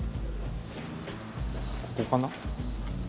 ここかな？